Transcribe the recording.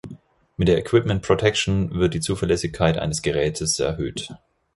Mit der Equipment Protection wird die Zuverlässigkeit eines Gerätes erhöht.